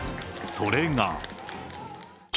それが。